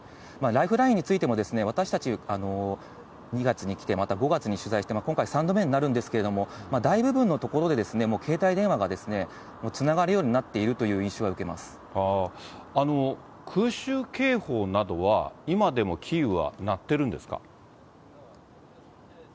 ライフラインについても、私たち２月に来て、また５月に来て、今回、３度目になるんですけれども、大部分のところで携帯電話がつながるようになっているという印象空襲警報などは、今でもキーウは鳴っているんですか。